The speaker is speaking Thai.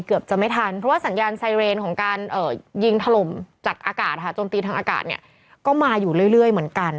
เกือบจะไม่ทันเพราะสัญญาณไซเรนทรุมจัดโอาากาศจนตีนทางอากาศก็มาอยู่เรื่อยเหมือนกัน